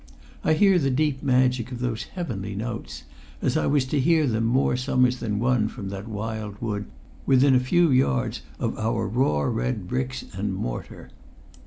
I hear the deep magic of those heavenly notes, as I was to hear them more summers than one from that wild wood within a few yards of our raw red bricks and mortar.